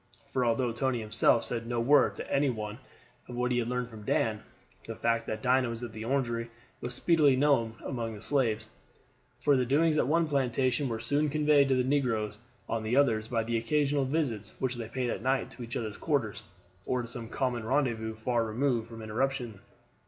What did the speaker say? For although Tony himself said no word to any one of what he had learned from Dan, the fact that Dinah was at the Orangery was speedily known among the slaves; for the doings at one plantation were soon conveyed to the negroes on the others by the occasional visits which they paid at night to each other's quarters, or to some common rendezvous far removed from interruption.